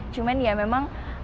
cuman ya memang